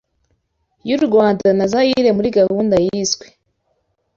y’u Rwanda na Zaire muri gahunda yiswe